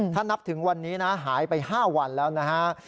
ถ้านับถึงวันนี้นะหายไป๕วันแล้วนะฮะ